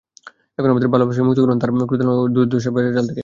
এবং আমার ভালোবাসাকে মুক্ত করুন তার ক্রোধানল ও দুর্দশার বেড়াজাল থেকে।